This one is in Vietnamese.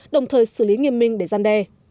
đồng thời xử lý nghiêm minh để gian đe